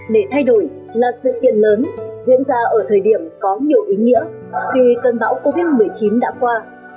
để thay đổi là sự kiện lớn diễn ra ở thời điểm có nhiều ý nghĩa khi cơn bão covid một mươi chín đã qua